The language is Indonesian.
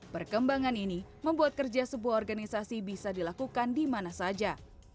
perkembangan ini membuat kerja sebuah organisasi bisa dilakukan di mana saja